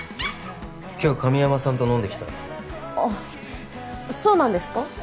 今日神山さんと飲んできたあっそうなんですか？